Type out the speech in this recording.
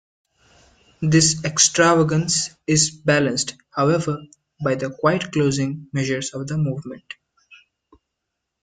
This extravagance is balanced, however, by the quiet closing measures of the movement.